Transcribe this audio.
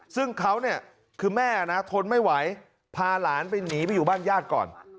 ซึ่งเขาเนี่ยคือแม่นะทนไม่ไหวพาหลานไปหนีไปอยู่บ้านญาติก่อน